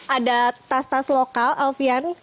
ada tas tas lokal alfian